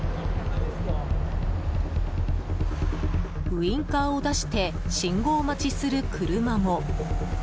ウインカーを出して信号待ちする車も。